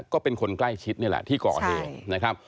ก็เป็นคนใกล้ชิดนี่แหละที่ก่อเหตุนะครับ